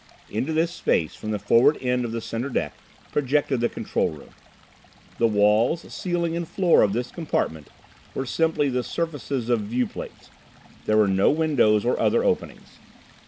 Into this space from the forward end of the center deck, projected the control room. The walls, ceiling and floor of this compartment were simply the surfaces of viewplates. There were no windows or other openings.